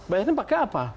bayarnya pakai apa